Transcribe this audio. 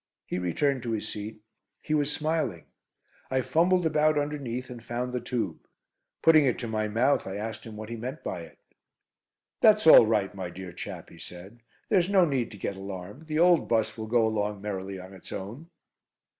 He returned to his seat. He was smiling. I fumbled about underneath and found the tube. Putting it to my mouth, I asked him what he meant by it. "That's all right, my dear chap," he said, "there's no need to get alarmed. The old bus will go along merrily on its own."